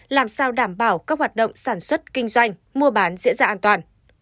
làm sao đảm bảo các hoạt động sản xuất kinh doanh mua bán diễn ra an toàn